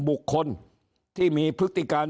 บุคคลที่มีพฤติการ